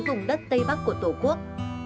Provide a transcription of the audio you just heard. những vùng đất tây bắc của tổ quốc